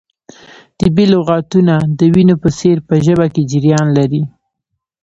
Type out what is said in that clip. طبیعي لغتونه د وینو په څیر په ژبه کې جریان لري.